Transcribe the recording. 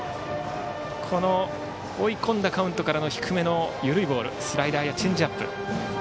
追い込んだカウントからの低めの緩いボールスライダーやチェンジアップ。